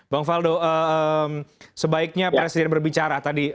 bang faldo sebaiknya presiden berbicara tadi